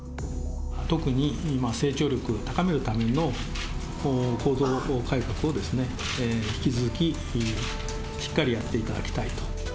特に今、成長力を高めるための構造改革を、引き続きしっかりやっていただきたいと。